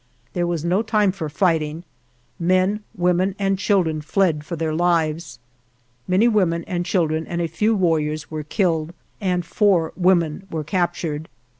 There was no time for fighting. Men, women, and children fled for their lives. Many women and children and a few warriors were killed, and four women were captured.